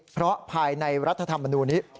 เพราะภายในรัฐธรรมนูลนี้